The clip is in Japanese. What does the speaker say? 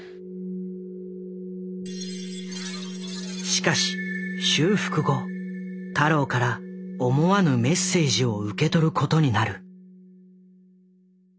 しかし修復後太郎から思わぬメッセージを受け取ることになる。